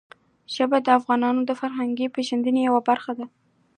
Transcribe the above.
ژبې د افغانانو د فرهنګي پیژندنې یوه برخه ده.